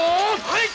はい！